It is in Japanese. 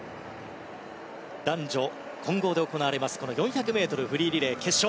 男女混合で行われる４×１００ｍフリーリレー決勝。